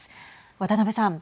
渡辺さん。